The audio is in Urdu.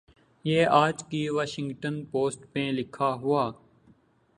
یہ آج کی واشنگٹن پوسٹ میں لکھا ہوا ۔